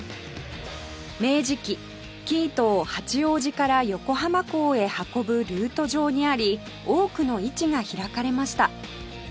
明治期生糸を八王子から横浜港へ運ぶルート上にあり多くの市が開かれました